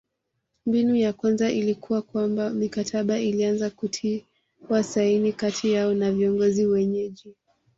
Mbinu ya kwanza ilikuwa kwamba mikataba ilianza kutiwa saini kati yao na viongozi wenyeji